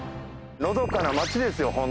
のどかな街ですよ